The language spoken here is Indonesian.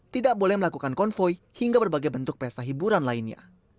tidak boleh melakukan konvoy hingga berbagai bentuk pesta hiburan lainnya